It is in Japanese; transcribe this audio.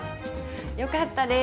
よかったです。